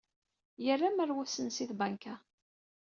Yerra amerwas-nnes i tbanka.